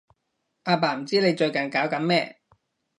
阿爸唔知你最近搞緊咩